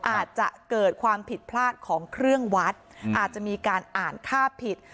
อาจจะเกิดความผิดพลาดของเครื่องวัดอาจจะมีการอ่านค่าผิด